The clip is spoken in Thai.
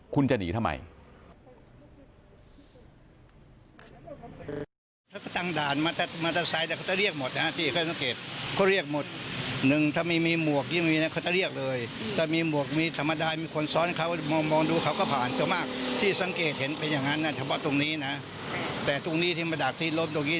คุณจะหนีทำไม